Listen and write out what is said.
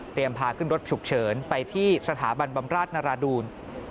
เตรียมพากึ่งรถฉุกเฉินไปที่สถาบันบำราชนาราดูล